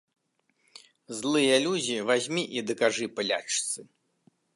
Злыя людзі вазьмі і дакажы палячцы.